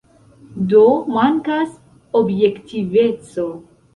Do, mankas objektiveco.